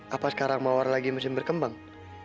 apa sekarang mawar lagi musim berkembang